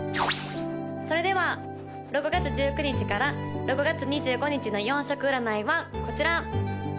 ・それでは６月１９日から６月２５日の４色占いはこちら！